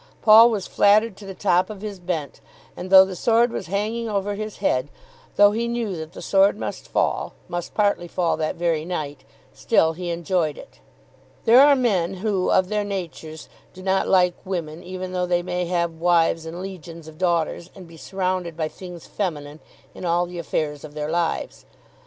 Paul was flattered to the top of his bent; and, though the sword was hanging over his head, though he knew that the sword must fall, must partly fall that very night, still he enjoyed it. There are men who, of their natures, do not like women, even though they may have wives and legions of daughters, and be surrounded by things feminine in all the affairs of their lives.